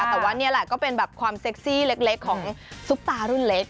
แต่ว่านี่แหละก็เป็นแบบความเซ็กซี่เล็กของซุปตารุ่นเล็ก